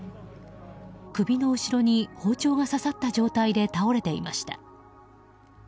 首の後ろの包丁が刺さった状態で倒れていました。